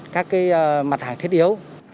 các cái mặt hàng thiết yếu